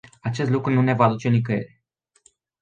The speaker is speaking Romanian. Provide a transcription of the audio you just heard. Acest lucru nu ne va duce nicăieri.